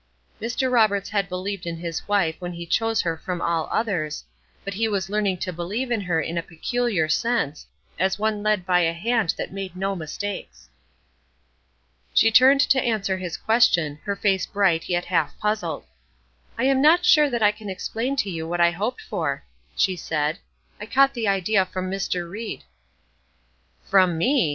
Mr. Roberts had believed in his wife when he chose her from all others; but he was learning to believe in her in a peculiar sense, as one led by a hand that made no mistakes. She turned to answer his question; her face bright, yet half puzzled: "I am not sure that I can explain to you what I hoped for," she said; "I caught the idea from Mr. Ried." "From me!"